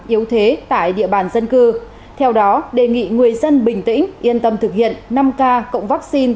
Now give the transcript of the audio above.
yếu thế tại địa bàn dân cư theo đó đề nghị người dân bình tĩnh yên tâm thực hiện năm k cộng vaccine